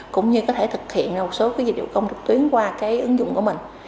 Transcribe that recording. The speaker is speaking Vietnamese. cũng như có thể thực hiện một số dịch vụ công trực tuyến qua cái ứng dụng của mình